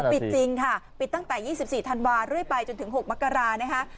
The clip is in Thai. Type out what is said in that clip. ปิดจริงค่ะปิดตั้งแต่๒๔ธันวาเรื่อยไปจนถึง๖มกรานะคะ